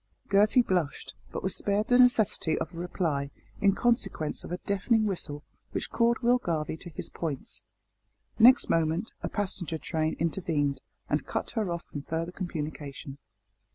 Gertie blushed, but was spared the necessity of a reply in consequence of a deafening whistle which called Will Garvie to his points. Next moment, a passenger train intervened, and cut her off from further communication.